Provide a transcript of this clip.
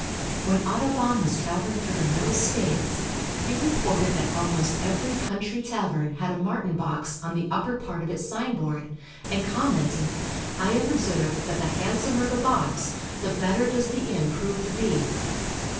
When Audubon was traveling through the Middle States, he reported that almost every country tavern had a martin box on the upper part of its signboard, and commented: "I have observed that the handsomer the box, the better does the inn prove to be."